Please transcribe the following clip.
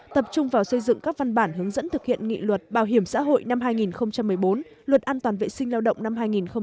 tập trung vào xây dựng các văn bản hướng dẫn thực hiện nghị luật bảo hiểm xã hội năm hai nghìn một mươi bốn luật an toàn vệ sinh lao động năm hai nghìn một mươi